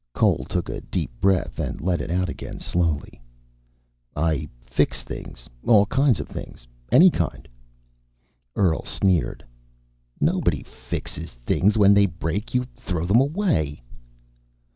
Cole took a deep breath and let it out again slowly. "I fix things. All kinds of things. Any kind." Earl sneered. "Nobody fixes things. When they break you throw them away."